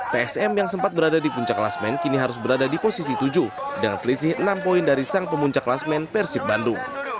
psm yang sempat berada di puncak kelasmen kini harus berada di posisi tujuh dengan selisih enam poin dari sang pemuncak kelasmen persib bandung